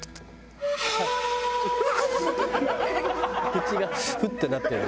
「口がフッ！ってなってる」